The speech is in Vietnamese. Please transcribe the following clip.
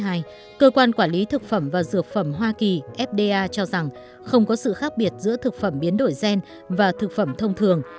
năm một nghìn chín trăm chín mươi hai cơ quan quản lý thực phẩm và dược phẩm hoa kỳ cho rằng không có sự khác biệt giữa thực phẩm biến đổi gen và thực phẩm thông thường